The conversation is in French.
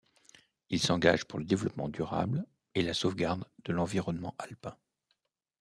Il s'engage pour le développement durable et la sauvegarde de l'environnement alpin.